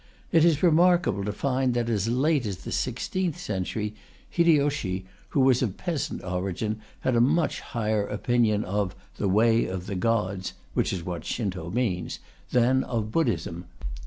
It is remarkable to find that, as late as the sixteenth century, Hideyoshi, who was of peasant origin, had a much higher opinion of "the way of the gods" (which is what "Shinto" means) than of Buddhism.